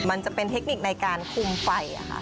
มันจะเป็นเทคนิคในการคุมไฟ